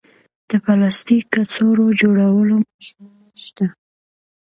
د پلاستیک کڅوړو جوړولو ماشینونه شته